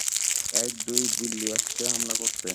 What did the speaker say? এক, দুই, বিল্লি আসছে হামলা করতে।